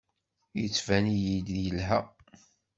Yettban-iyi-d yelha.